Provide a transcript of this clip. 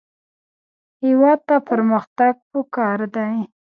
هېواد ته پرمختګ پکار دی